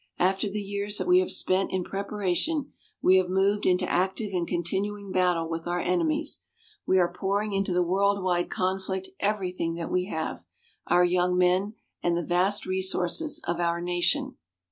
After the years that we have spent in preparation, we have moved into active and continuing battle with our enemies. We are pouring into the world wide conflict everything that we have our young men, and the vast resources of our nation.